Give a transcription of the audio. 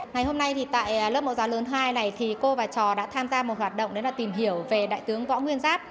ngày hôm nay thì tại lớp mẫu giáo lớn hai này thì cô và trò đã tham gia một hoạt động để tìm hiểu về đại tướng võ nguyên giáp